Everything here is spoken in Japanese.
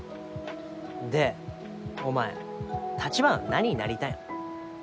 でお前橘の何になりたいの？